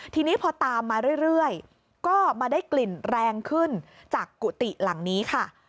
ทีนี้พอตามมาเรื่อยก็มาได้กลิ่นแรงขึ้นจากกุฏิหลังนี้ค่ะ